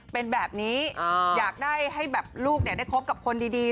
เป็นแบบนี้อ่าอยากได้ให้แบบลูกเนี่ยได้คบกับคนดีดี